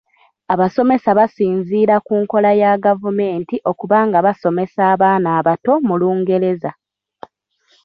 Abasomesa basinziira ku nkola ya gavumenti okuba nga basomesa abaana abato mu Lungereza.